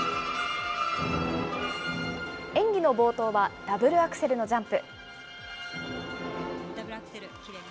演技の冒頭はダブルアクセルのジャンプ。